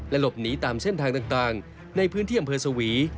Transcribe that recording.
หลบหนีตามเส้นทางต่างในพื้นที่อำเภอสวี